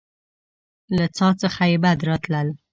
له څاه څخه يې بد راتلل.